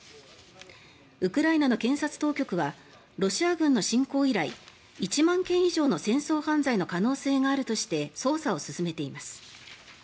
ウクライナの検察当局はロシア軍の侵攻以来１万件以上の戦争犯罪の可能性があるとして捜査を進めています。